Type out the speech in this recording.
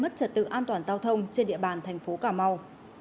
thành phố cà mau